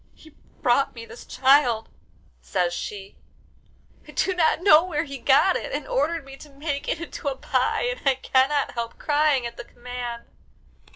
He brought me this child," says she, "I do not know where he got it, and ordered me to make it into a pie, and I cannot help crying at the command."